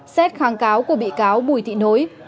xét kháng cáo của bị cáo bùi thị nối